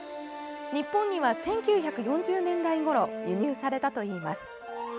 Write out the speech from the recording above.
日本には１９４０年代ごろ輸入されたといいます。